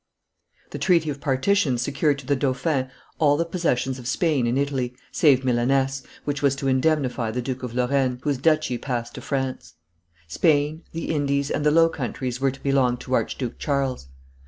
The treaty of partition secured to the dauphin all the possessions of Spain in Italy, save Milaness, which was to indemnify the Duke of Lorraine, whose duchy passed to France; Spain, the Indies, and the Low Countries were to belong to Archduke Charles.